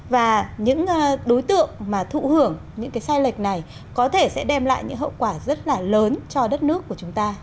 và những đối tượng mà thụ hưởng những cái sai lệch này có thể sẽ đem lại những hậu quả rất là lớn cho đất nước của chúng ta